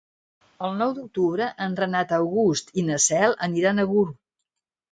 El nou d'octubre en Renat August i na Cel iran a Gurb.